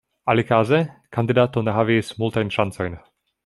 Alikaze, kandidato ne havis multajn ŝancojn.